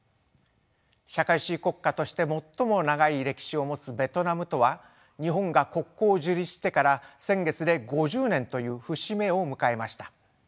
社会主義国家として最も長い歴史を持つベトナムとは日本が国交を樹立してから先月で５０年という節目を迎えました。